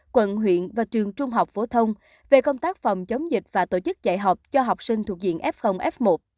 quận huyện và trường trung học phổ thông về công tác phòng chống dịch và tổ chức dạy học cho học sinh thuộc diện f f một